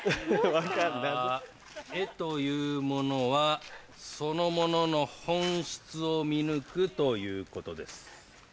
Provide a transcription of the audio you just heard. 絵というものはそのものの本質を見抜くということです。